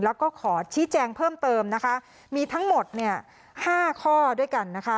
แล้วก็ขอชี้แจงเพิ่มเติมนะคะมีทั้งหมดเนี่ยห้าข้อด้วยกันนะคะ